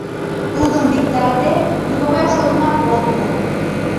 Тудым виктарыде, нимогай шотымат от му.